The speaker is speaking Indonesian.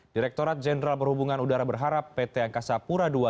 direkturat jenderal perhubungan udara berharap pt angkasa pura ii